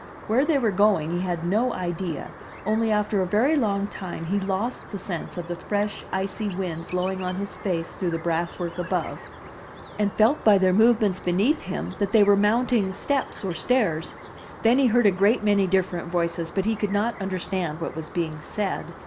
Where they were going he had no idea, only after a very long time he lost the sense of the fresh icy wind blowing on his face through the brass work above, and felt by their movements 307 MY BOOK HOUSE beneath him that they were mounting steps or stairs. Then he heard a great many different voices, but he could not under stand what was being said.